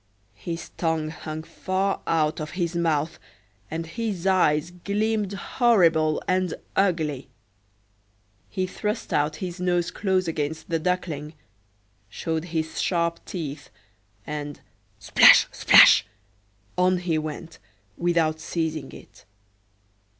His tongue hung far out of his mouth, and his eyes gleamed horrible and ugly; he thrust out his nose close against the Duckling, showed his sharp teeth, and—splash, splash!—on he went, without seizing it.